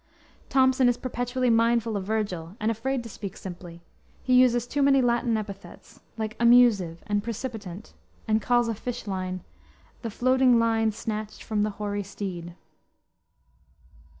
Thomson is perpetually mindful of Vergil, and afraid to speak simply. He uses too many Latin epithets, like amusive and precipitant, and calls a fish line "The floating line snatched from the hoary steed."